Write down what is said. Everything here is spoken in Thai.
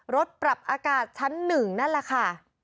ปรับอากาศชั้น๑นั่นแหละค่ะ